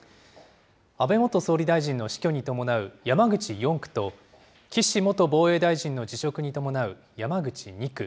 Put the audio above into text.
安倍元総理大臣の死去に伴う山口４区と、岸元防衛大臣の辞職に伴う山口２区。